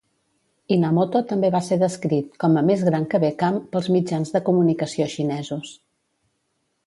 Inamoto també va ser descrit com a "més gran que Beckham" pels mitjans de comunicació xinesos.